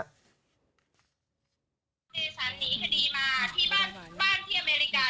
เจสันหนีคดีมาที่บ้านที่อเมริกา